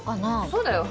そうだよ。